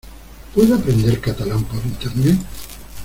¿Puedo aprender catalán por Internet?